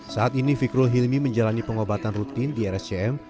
saat ini fikrul hilmi menjalani pengobatan rutin di rscm